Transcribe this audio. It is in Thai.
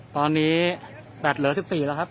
มันก็ไม่ต่างจากที่นี่นะครับ